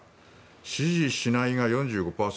支持しないが４５％。